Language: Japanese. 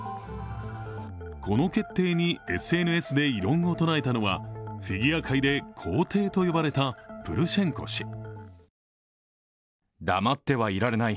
この決定にＳＮＳで異論を唱えたのはフィギュア界で皇帝と呼ばれたプルシェンコ氏。